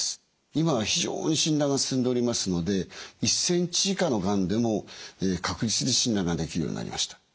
今は非常に診断が進んでおりますので１センチ以下のがんでも確実に診断ができるようになりました。